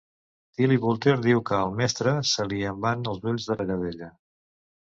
"Tillie Boulter diu que al mestre se li en van els ulls darrere d'ella."